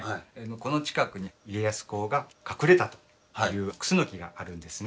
この近くに家康公が隠れたという楠の木があるんですね。